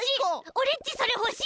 オレっちそれほしい！